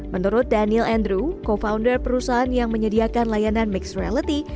menurut daniel andrew co founder perusahaan yang menyediakan layanan mixed reality